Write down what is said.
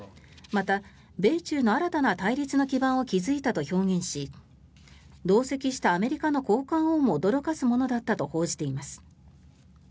また、米中の新たな対立の基盤を築いたと表現し同席したアメリカの高官をも驚かすものだったと報じています。